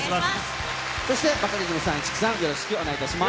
そしてバカリズムさん、市來玲奈さん、よろしくお願いします。